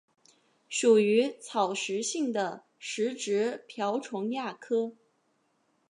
属于草食性的食植瓢虫亚科。